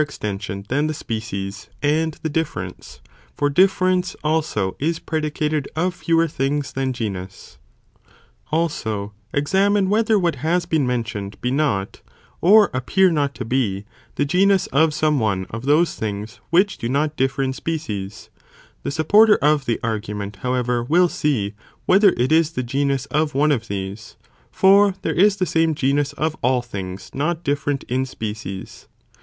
extension than the Ae species and the difference, for difference, also, is ec. _ predicated of fewer things than genus.* bei ΘΝ Also, examine whether what has been mentioned arein the same be not, or appear not to be, the genus of some one ihe genus," Of those things which do not differ in species, the supporter of the argument, however, (will see) whether it is (the genus) of one of these, for there is the same genus of all things not different in species.